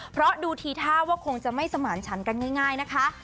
เพราะดูทีท่าว่าคงจะไม่สมานฉันกันง่ายนะคะ